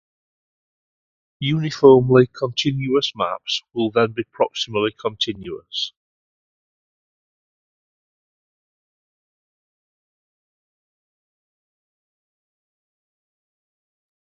Uniformly continuous maps will then be proximally continuous.